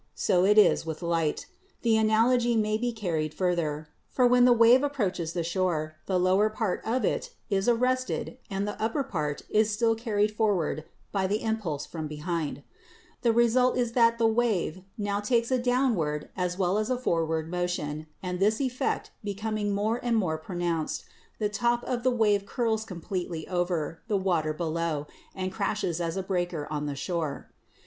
So is it with light. The analogy may be carried further, for when the wave approaches the shore, the lower part of it is arrested and the upper part is still carried forward by the impulse from behind. The result 82 REFLECTION AND REFRACTION 83 is that the wave now takes a downward as well as a for ward motion, and this effect becoming more and more pro nounced the top of the wave curls completely over the water below and crashes as a breaker on the shore.